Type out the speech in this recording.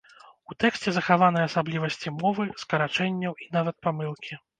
У тэксце захаваны асаблівасці мовы, скарачэнняў і нават памылкі.